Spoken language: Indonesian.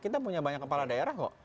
kita punya banyak kepala daerah kok